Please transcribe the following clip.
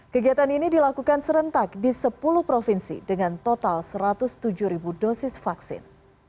kegiatan ini dilakukan serentak di sepuluh provinsi dengan total satu ratus tujuh dosis vaksin